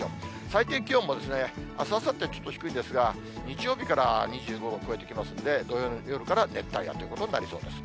最低気温も、あす、あさってはちょっと低いんですが、日曜日から２５度超えてきますんで、土曜の夜から熱帯夜ということになりそうです。